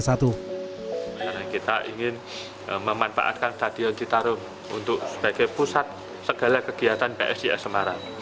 karena kita ingin memanfaatkan stadion citarum sebagai pusat segala kegiatan psis semarang